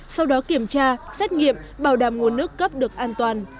sau đó kiểm tra xét nghiệm bảo đảm nguồn nước cấp được an toàn